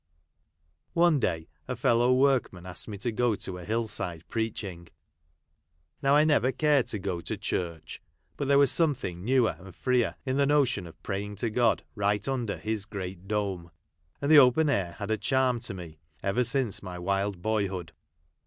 One day a fellow workman asked me to go to a hill side preaching. Now I never cared to go1 to church ; but there was something newer and freer in the notion of praying to God right under His great dome ; and the open air had had a charm to me ever since my wild boyhood.